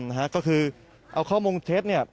นะฮะก็คือเอาข้อมูลเท็จเนี่ย